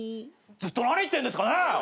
ずっと何言ってんですかね？